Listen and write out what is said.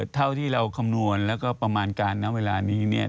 เท่าที่เราคำนวณแล้วก็ประมาณการณเวลานี้